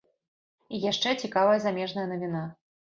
І яшчэ цікавая замежная навіна.